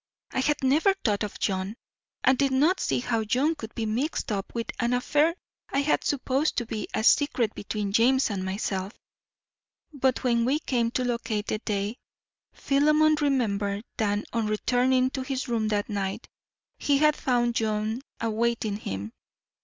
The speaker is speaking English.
I had never thought of John, and did not see how John could be mixed up with an affair I had supposed to be a secret between James and myself, but when we came to locate the day, Philemon remembered that on returning to his room that night, he had found John awaiting him.